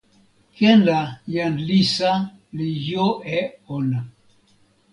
ken la jan Lisa li jo e ona.